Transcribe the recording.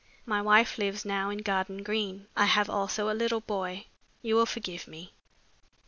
My wife lives now in Garden Green. I have also a little boy. You will forgive me."